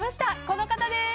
この方です。